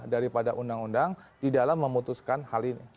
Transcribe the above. daripada undang undang di dalam memutuskan hal ini